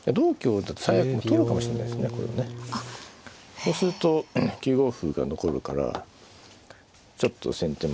そうすると９五歩が残るからちょっと先手も。